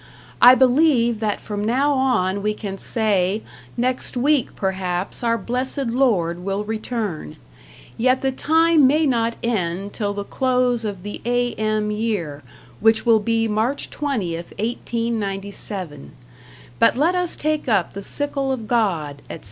I believe that from now on we can say, next; week perhaps our blessed Lord will return. Yet the time may not end till the close of the A.M. year, which will be March 20th, 1897. But let us take up the sickle of God, etc.